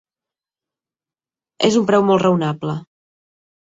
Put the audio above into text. Es un preu molt raonable.